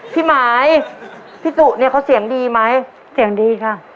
พี่หมายพี่ตุเนี่ยเขาเสียงดีไหมเสียงดีค่ะ